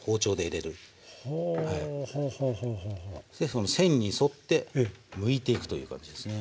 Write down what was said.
その線に沿ってむいていくという感じですね。